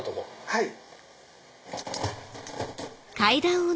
はい。